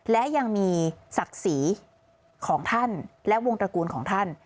และยังมีศักดิ์ศรีของท่านและวงตระกูลของท่าน